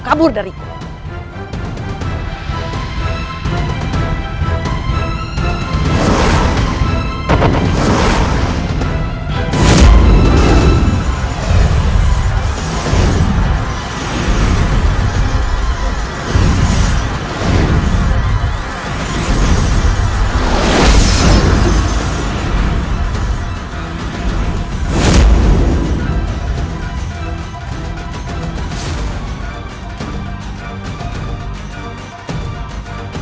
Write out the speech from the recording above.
kau harus putus pose